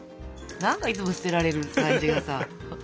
何かいつも捨てられる感じがさ。